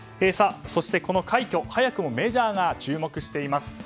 この快挙、早くもメジャーが注目しています。